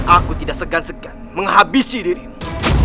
aku tidak segan segan menghabisi dirimu